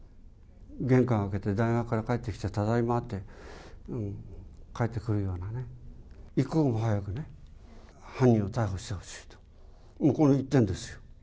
玄関開けて、大学から帰ってきて、ただいまって帰ってくるようなね、一刻も早く、犯人を逮捕してほしいと、もうこの一点ですよ。